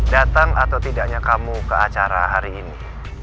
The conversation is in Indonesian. datang atau tidaknya kamu ke acara hari ini